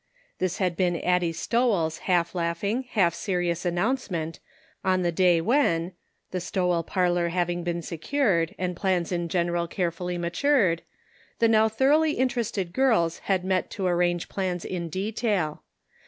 This had been Addie Stowell's half laughing, half serious announcement, on the day when — the Stowell parlor having been secured, and plans in general carefully matured — the now thoroughly interested girls had met to arrange plans in detail.